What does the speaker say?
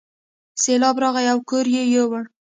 سیلاب راغی او کور یې یووړ.